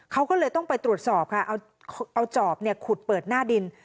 เขาก็เลยต้องไปตรวจสอบค่ะเอาจอบขุดเปิดหน้าดิน